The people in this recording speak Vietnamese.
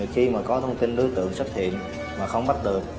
khi mà có thông tin đối tượng xuất hiện mà không bắt được